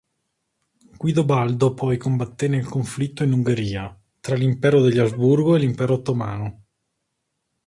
Guidobaldo poi combatté nel conflitto in Ungheria, tra l'impero degli Asburgo e l'Impero Ottomano.